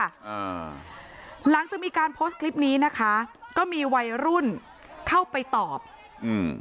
อ่าหลังจากมีการโพสต์คลิปนี้นะคะก็มีวัยรุ่นเข้าไปตอบอืม